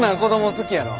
好きやわ！